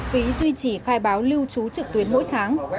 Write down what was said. phí duy trì khai báo lưu trú trực tuyến mỗi tháng